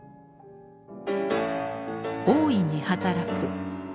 「大いに働く。